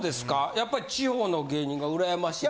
やっぱり地方の芸人がうらやましい？